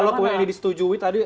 kalau kemudian ini disetujui tadi